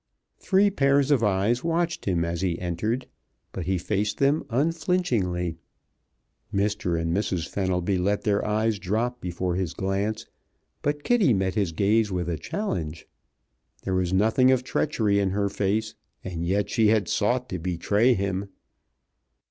Three pairs of eyes watched him as he entered, but he faced them unflinchingly. Mr. and Mrs. Fenelby let their eyes drop before his glance, but Kitty met his gaze with a challenge. There was nothing of treachery in her face, and yet she had sought to betray him.